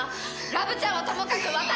ラブちゃんはともかく私は。